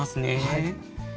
はい。